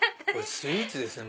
スイーツですね